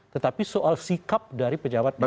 tetapi soal sikap dari pejabat negara